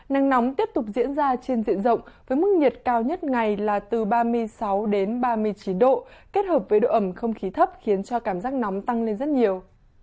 nắng nóng tiếp tục diễn ra trên diện rộng với mức nhiệt cao nhất ngày là từ ba mươi sáu đến ba mươi chín độ kết hợp với độ ẩm không khí thấp khiến cho cảm giác nóng tăng lên rất nhiều